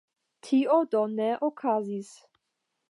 Tio do ne okazis.